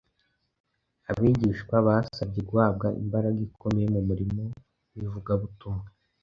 Abigishwa basabye guhabwa imbaraga ikomeye mu murimo w’Ivugabutumwa,